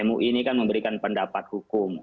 mui ini kan memberikan pendapat hukum